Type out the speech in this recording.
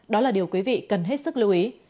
đó là điều quý vị cần hết sức lưu ý